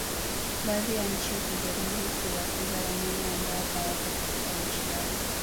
Baadhi ya nchi hujaribu kuwakuza wanyama ambao hawapo katika nchi yao